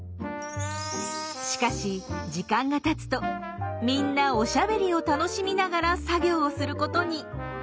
しかしみんなおしゃべりを楽しみながら作業をすることに。